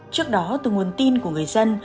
trước đó từ nguồn tin của người dân